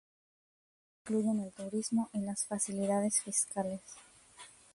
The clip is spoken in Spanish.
Otros incluyen el turismo y las facilidades fiscales.